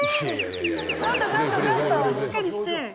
ちょっとちょっとちょっとしっかりして。